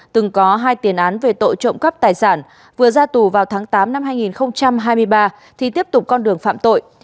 từng có hai tiền án về tội trộm cắp tài sản vừa ra tù vào tháng tám năm hai nghìn hai mươi ba thì tiếp tục con đường phạm tội